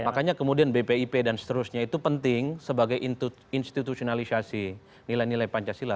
makanya kemudian bpip dan seterusnya itu penting sebagai institusionalisasi nilai nilai pancasila